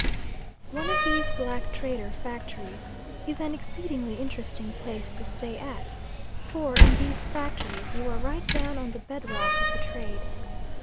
One of these black trader factories is an exceedingly interesting place to stay at, for in these factories you are right down on the bed rock of the trade.